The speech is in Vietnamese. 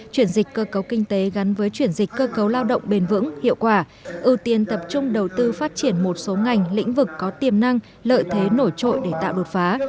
chuyển dịch cơ cấu kinh tế gắn với chuyển dịch cơ cấu lao động bền vững hiệu quả ưu tiên tập trung đầu tư phát triển một số ngành lĩnh vực có tiềm năng lợi thế nổi trội để tạo đột phá